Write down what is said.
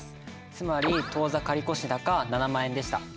つまり当座借越高７万円でした。